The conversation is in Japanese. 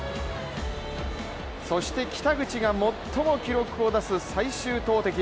そして北口が最も記録を出す最終投てき。